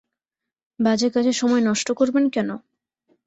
বাজে কাজে সময় নষ্ট করবেন কেন?